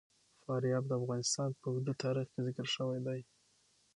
فاریاب د افغانستان په اوږده تاریخ کې ذکر شوی دی.